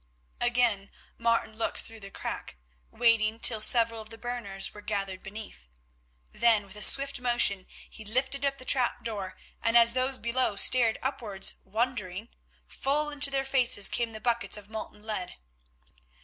Again Martin looked through the crack, waiting till several of the burners were gathered beneath. Then, with a swift motion he lifted up the trap door, and as those below stared upwards wondering, full into their faces came the buckets of molten lead.